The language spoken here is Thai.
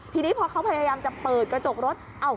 ทีนี้พอเขาพยายามจะเปิดกระจกรถ